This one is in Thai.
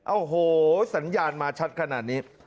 โอ้โหสัญญาณมาชัดขนาดนี้